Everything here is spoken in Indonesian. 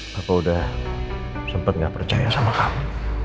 papa udah sempet gak percaya sama kamu